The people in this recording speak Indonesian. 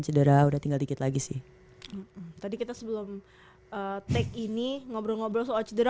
cedera udah tinggal dikit lagi sih tadi kita sebelum take ini ngobrol ngobrol soal cedera